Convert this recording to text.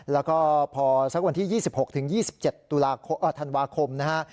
แล้วก็พอสักวันที่๒๖๒๗ธันวาคมนะฮะ